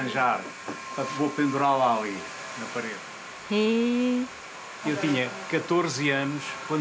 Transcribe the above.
へえ。